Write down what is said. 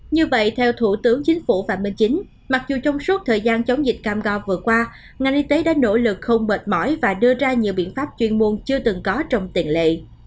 như vậy theo thủ tướng chính phủ phạm minh chính mặc dù trong suốt thời gian chống dịch cam go vừa qua ngành y tế đã nỗ lực không mệt mỏi và đưa ra nhiều biện pháp chuyên môn chưa từng có trong tiền lệ